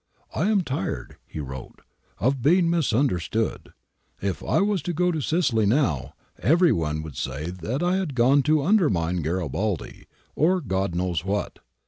^' I am tired,' he wrote, * of being misunder stood. If I was to go to Sicily now, every one would say that I had gone to undermine Garibaldi, or God knows what.